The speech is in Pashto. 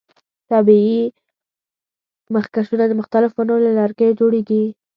طبیعي مخکشونه د مختلفو ونو له لرګیو جوړیږي.